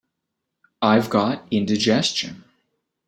I've got indigestion.